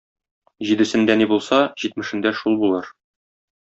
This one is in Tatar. Җидесендә ни булса, җитмешендә шул булыр.